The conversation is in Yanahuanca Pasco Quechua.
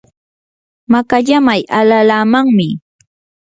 makallamay alalaamanmi.